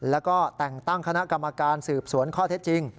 แล้วก็แต่งตั้งคณะกรรมการสืบสวนข้อเท็จจริง